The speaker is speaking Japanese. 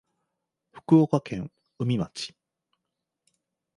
福岡県宇美町